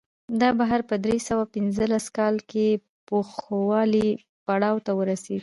دا بهیر په درې سوه پنځلس کال کې پوخوالي پړاو ته ورسېد